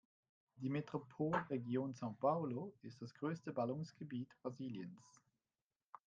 Die Metropolregion São Paulo ist das größte Ballungsgebiet Brasiliens.